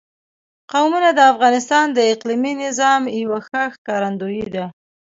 قومونه د افغانستان د اقلیمي نظام یوه ښه ښکارندوی ده.